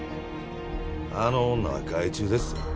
あの女は害虫でっせ。